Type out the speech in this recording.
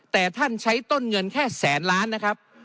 แต่ท่านใช้ต้นเงินแค่แสนล้านนะครับ